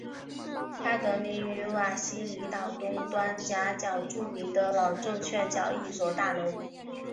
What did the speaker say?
它得名于瓦西里岛东端岬角著名的老证券交易所大楼。